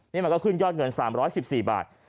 นี่มันก็ขึ้นยอดเงิน๓๑๔บาท